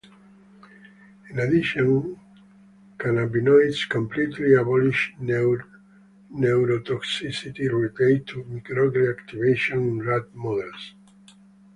In addition, cannabinoids completely abolish neurotoxicity related to microglia activation in rat models.